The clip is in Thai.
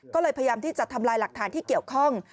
ก็เลยพยายามที่จะทำลายหลักฐานที่เกี่ยวข้อง